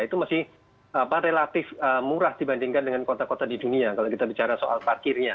itu masih relatif murah dibandingkan dengan kota kota di dunia kalau kita bicara soal parkirnya